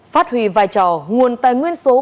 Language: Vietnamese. phát huy vai trò nguồn tài nguyên số